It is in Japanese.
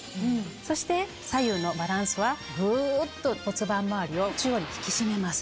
そして左右のバランスはグっと骨盤周りを中央に引き締めます。